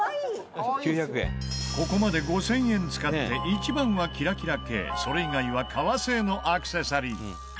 ここまで５０００円使って１番はキラキラ系それ以外は革製のアクセサリー。